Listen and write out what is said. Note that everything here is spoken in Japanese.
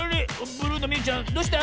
ブルーのみゆちゃんどうした？